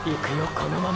このまま！！